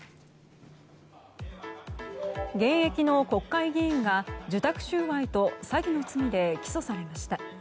現役の国会議員が受託収賄と詐欺の罪で起訴されました。